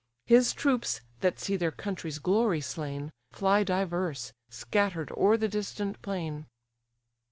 His troops, that see their country's glory slain, Fly diverse, scatter'd o'er the distant plain.